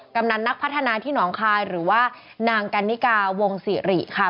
กำนันนักพัฒนาที่หนองคายหรือว่านางกันนิกาวงศิริค่ะ